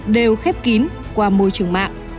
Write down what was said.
đều khép kín qua môi trường mạng